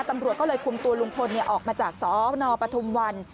ตำรวจก็เลยคุมตัวลุงพลออกมาจากสนปฐุมวัน